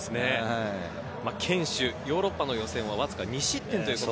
堅守、ヨーロッパの予選はわすか２失点